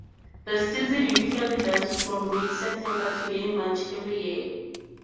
The season usually runs from mid-September to early March every year.